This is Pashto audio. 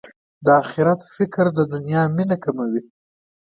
د اخرت فکر د دنیا مینه کموي.